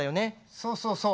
そうそうそう。